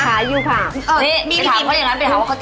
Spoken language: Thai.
ขายอยู่ค่ะ